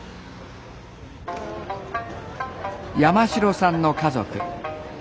山城さんの家族。